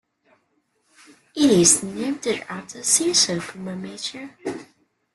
It is named after Sisir Kumar Mitra.